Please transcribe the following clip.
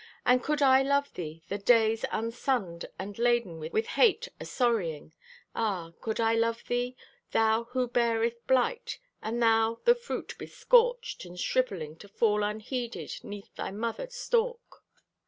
And could I love thee, the days Unsunned and laden with hate o' sorrying? Ah, could I love thee, Thou who beareth blight; And thou the fruit bescorched And shrivelling, to fall unheeded 'Neath thy mother stalk?